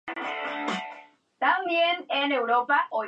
Se retiró sin iniciar el segundo semestre.